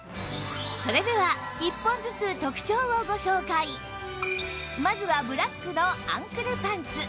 それでは１本ずつまずはブラックのアンクルパンツ